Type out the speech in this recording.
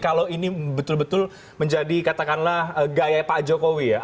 kalau ini betul betul menjadi katakanlah gaya pak jokowi ya